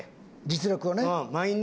実力をね。